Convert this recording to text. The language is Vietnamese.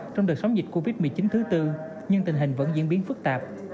trong đợt sóng dịch covid một mươi chín thứ tư nhưng tình hình vẫn diễn biến phức tạp